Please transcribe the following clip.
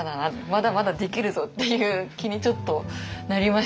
まだまだできるぞ！っていう気にちょっとなりましたね。